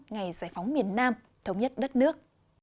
ngày giải phóng miền nam thống nhất đất nước